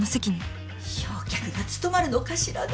正客が務まるのかしらね